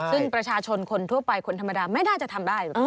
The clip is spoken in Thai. ซึ่งประชาชนคนทั่วไปคนธรรมดาไม่น่าจะทำได้